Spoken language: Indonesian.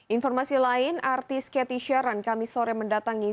informasi lain artis katie sharon kami sore mendatangi